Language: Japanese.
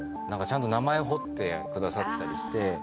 何かちゃんと名前彫ってくださったりして。